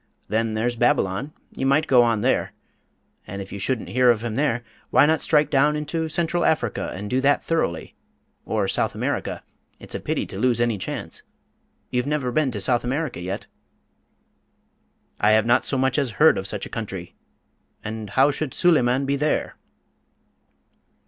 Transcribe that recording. Then there's Babylon you might go on there. And if you shouldn't hear of him there, why not strike down into Central Africa, and do that thoroughly? Or South America; it's a pity to lose any chance you've never been to South America yet?" "I have not so much as heard of such a country, and how should Suleyman be there?"